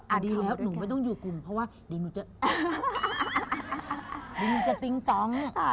ดีแล้วหนูไม่ต้องอยู่กลุ่มเพราะว่าเดี๋ยวหนูจะบินจะติ๊งตอง